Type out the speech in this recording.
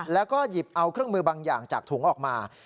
แล้วก็หยิบเอาเครื่องมือบางอย่างจากถุงออกมา